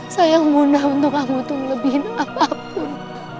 sayang bunda untuk kamu untuk melebihi apapun